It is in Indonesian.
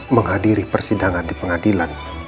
menghadiri persidangan di pengadilan